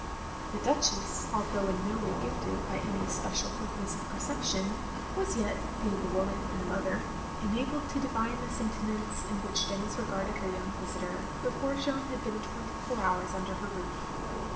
" The Duchess, although in no way gifted by any especial quickness of perception, was yet, being a woman and a mother, enabled to divine 294 THE LONELY LADY the sentiments with which Denis regarded her young visitor, before Jeanne had been twenty four hours under her roof.